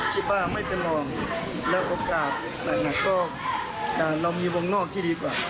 คิดว่าไม่เป็นห่วงและโอกาสหนักก็เรามีวงนอกที่ดีกว่า